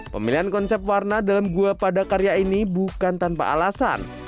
pemilihan konsep warna dalam gua pada karya ini bukan tanpa alasan